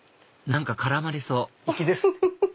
何か絡まれそう粋です。